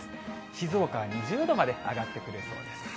静岡は２０度まで上がってくれそうですね。